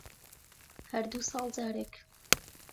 هەر دوو ساڵ جارێک